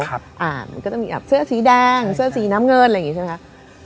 มันก็จะมีแบบเสื้อสีแดงเสื้อสีน้ำเงินอะไรอย่างนี้ใช่ไหมคะ